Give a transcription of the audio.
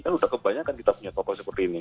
kan udah kebanyakan kita punya tokoh seperti ini